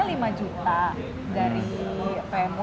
uangnya lima juta dari pmw